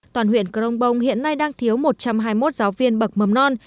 toàn huyện crong bông hiện nay đang thiếu một trăm hai mươi một giáo viên bậc mầm non